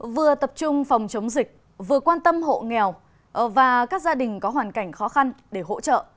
vừa tập trung phòng chống dịch vừa quan tâm hộ nghèo và các gia đình có hoàn cảnh khó khăn để hỗ trợ